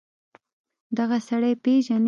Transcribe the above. دغه سړى پېژنې.